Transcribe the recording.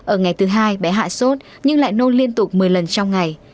ở ngày thứ hai bé hạ sốt nhưng lại nôn liên tục một mươi lần trong ngày